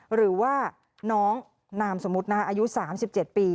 หรือว่าน้องนามสมมุติอายุ๓๗ปี